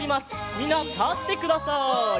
みんなたってください。